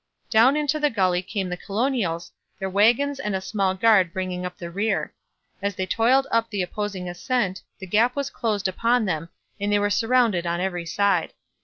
Down into the gully came the colonials, their wagons and a small guard bringing up the rear. As they toiled up the opposing ascent, the gap was closed upon them, and they were surrounded on every side.